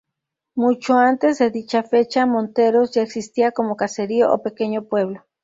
Mucho antes de dicha fecha, Monteros ya existía como caserío o pequeño pueblo.